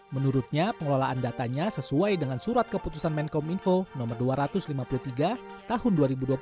menurutnya pengelolaan datanya sesuai dengan surat keputusan menkom info no dua ratus lima puluh tiga tahun dua ribu dua puluh